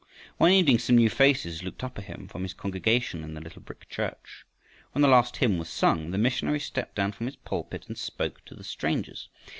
One evening some new faces looked up at him from his congregation in the little brick church. When the last hymn was sung the missionary stepped down from his pulpit and spoke to the strangers.